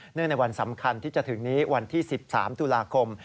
ในวันสำคัญที่จะถึงนี้วันที่๑๓ตุลาคม